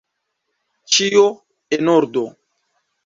Ĉio, en ordo.